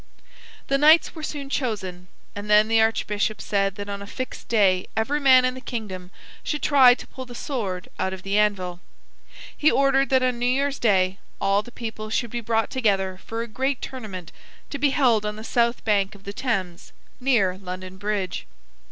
The knights were soon chosen, and then the archbishop said that on a fixed day every man in the kingdom should try to pull the sword out of the anvil. He ordered that on New Year's day all the people should be brought together for a great tournament to be held on the south bank of the Thames, near London bridge.